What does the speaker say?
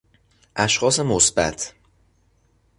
اشخاص مثبت